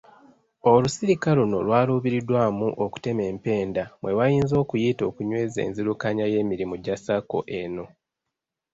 Olusirika luno lwaluubiriddwamu okutema empenda mwe bayinza okuyita okunyweza enzirukanya y'emirimu gya sacco eno.